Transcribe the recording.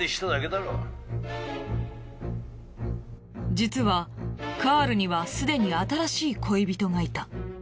実はカールにはすでに新しい恋人がいた。